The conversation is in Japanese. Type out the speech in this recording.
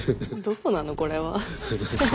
どこなのこれは。